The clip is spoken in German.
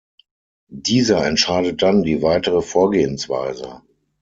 Dieser entscheidet dann die weitere Vorgehensweise.